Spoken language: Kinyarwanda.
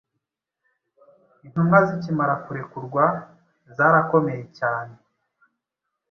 Intumwa zikimara kurekurwa zarakomeye cyane,